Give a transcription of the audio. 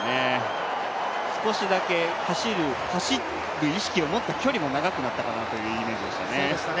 少しだけ走る意識を持った距離も長くなったかなというイメージでしたね。